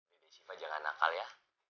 dede siva jangan nakal ya